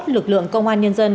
lực lượng công an nhân dân